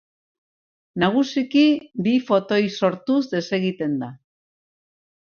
Nagusiki bi fotoi sortuz desegiten da.